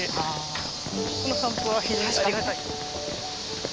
この散歩は非常にありがたい。